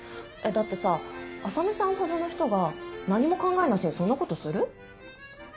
だってさ浅海さんほどの人が何も考えなしにそんなことする？